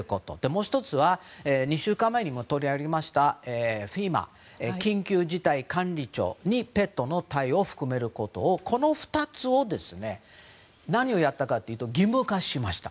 もう１つは２週間前にも取り上げましたＦＥＭＡ・緊急事態管理庁にペットの対応を含めることをこの２つを何をやったかというと義務化しました。